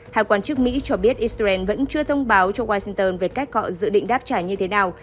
hai quan chức mỹ cho biết israel vẫn chưa thông báo cho washington về cách dự định đáp trả như thế nào